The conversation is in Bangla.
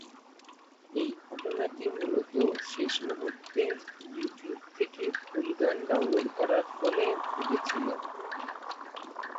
এই ঘটনাটি মূলত শেষ মুহুর্তে ইউটিউব থেকে ভুল গান ডাউনলোড করা ফলে ঘটেছিল।